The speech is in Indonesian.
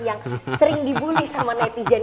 yang sering dibully sama netizen